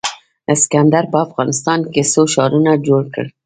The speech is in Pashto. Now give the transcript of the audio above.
اسکندر په افغانستان کې څو ښارونه جوړ کړل